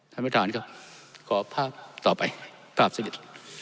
ท่านประธานครับขอภาพต่อไปภาพสนิท